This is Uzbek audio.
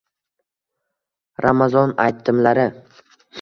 Ramazon aytimlari